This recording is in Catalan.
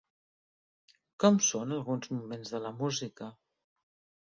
Com són alguns moments de la música?